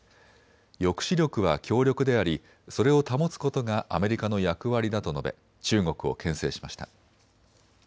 抑止力は強力であり、それを保つことがアメリカの役割だと述べ、中国をけん制しました。